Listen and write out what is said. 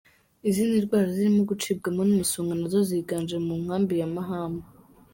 Izindi ndwara zirimo gucibwamo n’umusonga nazo ziganje mu nkambi ya Mahama.